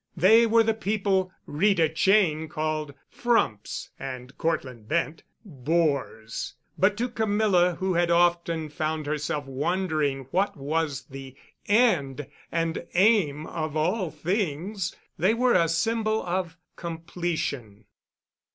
They were the people Rita Cheyne called "frumps," and Cortland Bent, "bores," but to Camilla, who had often found herself wondering what was the end and aim of all things, they were a symbol of completion.